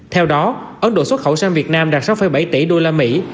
theo đó ấn độ xuất khẩu sang việt nam đạt sáu bảy tỷ đô la mỹ